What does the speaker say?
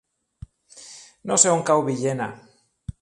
No sé on cau Villena.